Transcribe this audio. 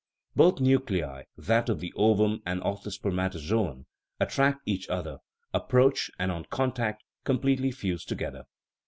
Both nuclei that of the ovum and of the spermatozoon attract each other, approach, and, on contact, completely fuse to gether.